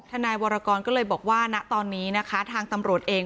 นายวรกรก็เลยบอกว่าณตอนนี้นะคะทางตำรวจเอง